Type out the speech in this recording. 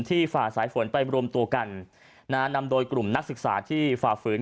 ฝ่าสายฝนไปรวมตัวกันนำโดยกลุ่มนักศึกษาที่ฝ่าฝืน